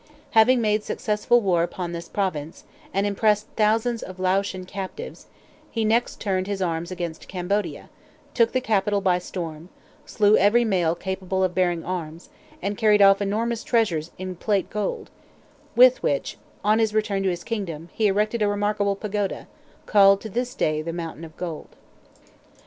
Having made successful war upon this province, and impressed thousands of Laotian captives, he next turned his arms against Cambodia, took the capital by storm, slew every male capable of bearing arms, and carried off enormous treasures in plate gold, with which, on his return to his kingdom, he erected a remarkable pagoda, called to this day "The Mountain of Gold."